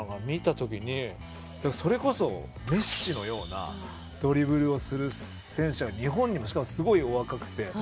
見た時にそれこそメッシのようなドリブルをする選手が日本にもしかもすごいお若くて。